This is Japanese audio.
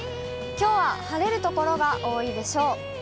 きょうは晴れる所が多いでしょう。